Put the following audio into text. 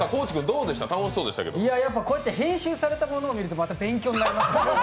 こうやって編集されたものをみるとまた勉強になります。